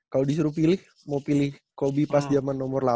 kalo disuruh pilih mau pilih hobi pas jaman nomor delapan atau